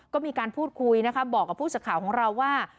ก็มีการพูดคุยบอกกับผู้สิทธิ์ข่าวของเราว่า